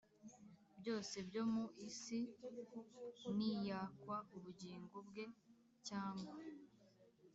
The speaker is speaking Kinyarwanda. Byose byo mu isi niyakwa ubugingo bwe cyangwa